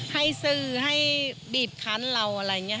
ให้สื่อให้บีบคันเราอะไรอย่างนี้